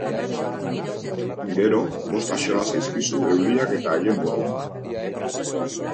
Gero, bost axola zaizkizu euliak eta haien burrunba.